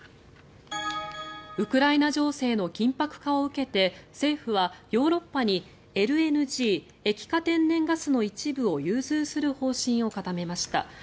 ウクライナ情勢の緊迫化を受けて政府は、ヨーロッパにＬＮＧ・液化天然ガスの一部を融通する方針を固めました。